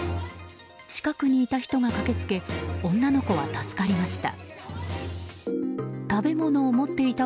近くにいた人が駆けつけ女の子は助かりました。